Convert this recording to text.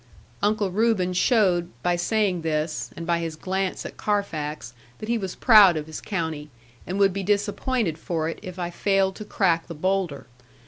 Uncle Reuben showed by saying this, and by his glance at Carfax, that he was proud of his county, and would be disappointed for it if I failed to crack the boulder.